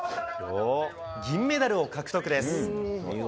銀メダルを獲得です。